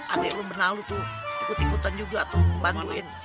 adek lu bernalu tuh ikut ikutan juga tuh bantuin